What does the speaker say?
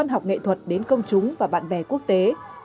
học nghệ thuật đến công chúng và bạn bè quốc tế